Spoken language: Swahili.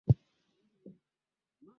Macho haina pazia